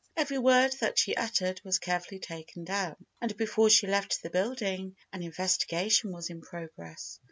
Every word that she uttered was carefully taken down, and before she left the building an investigation was in progress.